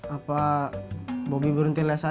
apa bobby berhenti les aja ma ya